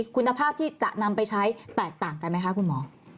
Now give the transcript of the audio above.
คุณภาพที่จะนำไปใช้แตกต่างกันไหมคะคุณหมอ